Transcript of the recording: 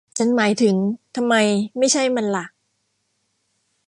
ฉันหมายถึง ทำไมไม่ใช่มันหละ